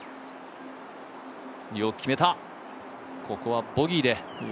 ここはボギーで。